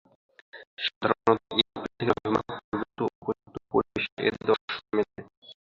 সাধারনত এপ্রিল থেকে নভেম্বর পর্যন্ত উপযুক্ত পরিবেশে এদের দর্শন মেলে।